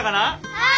はい！